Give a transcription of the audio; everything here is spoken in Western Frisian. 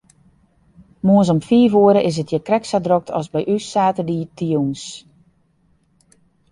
Moarns om fiif oere is it hjir krekt sa drok as by ús saterdeitejûns.